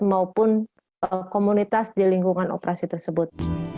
maupun komunitas di lingkungan operasi tersebut